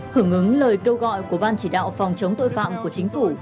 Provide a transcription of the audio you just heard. hưởng ứng lời kêu gọi của ban chỉ đạo phòng chống tội phạm của chính phủ